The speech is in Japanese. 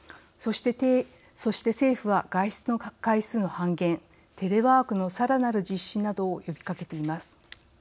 そして政府は外出の回数の半減テレワークのさらなる実施などを呼びかけています。